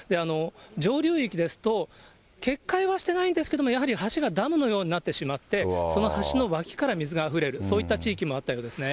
上流域ですと、決壊はしていないんですけれども、やはり橋がダムのようになってしまって、その橋の脇から水があふれる、そういった地域もあったようですね。